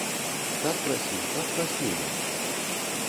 Так прасіў, так прасіў ён.